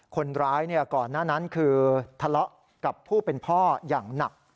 คนร้ายก่อนหน้านั้นคือทะเลาะกับผู้เป็นพ่ออย่างหนัก